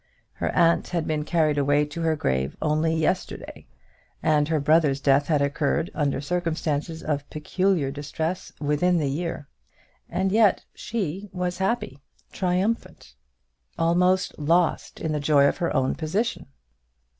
Her aunt had been carried away to her grave only yesterday, and her brother's death had occurred under circumstances of peculiar distress within the year; and yet she was happy, triumphant, almost lost in the joy of her own position!